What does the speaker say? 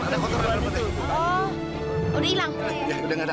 udah gak ada udah gak ada